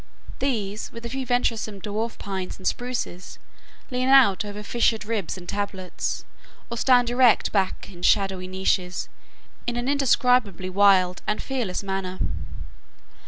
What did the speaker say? These, with a few venturesome Dwarf Pines and Spruces, lean out over fissured ribs and tablets, or stand erect back in shadowy niches, in an indescribably wild and fearless manner.